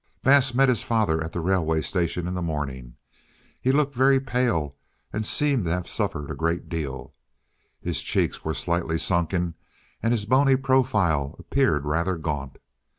Bass met his father at the railway station in the morning. He looked very pale, and seemed to have suffered a great deal. His cheeks were slightly sunken and his bony profile appeared rather gaunt.